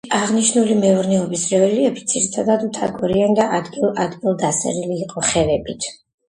აღნიშნული მეურნეობების რელიეფი, ძირითადად, მთაგორიანი და ადგილ-ადგილ დასერილი იყო ხევებით.